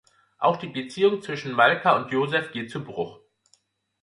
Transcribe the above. Auch die Beziehung zwischen Malka und Yosef geht zu Bruch.